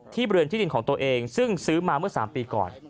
บริเวณที่ดินของตัวเองซึ่งซื้อมาเมื่อ๓ปีก่อน